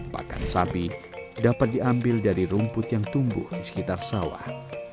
pakan sapi dapat diambil dari rumput yang tumbuh di sekitar sawah